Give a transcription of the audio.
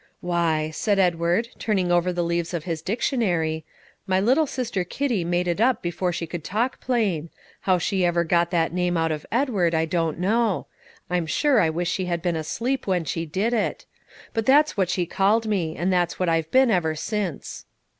"Why," said Edward, turning over the leaves of his dictionary, "my little sister Kitty made it up before she could talk plain. How she ever got that name out of Edward, I don't know; I'm sure I wish she had been asleep when she did it; but that's what she called me, and that's what I've been ever since."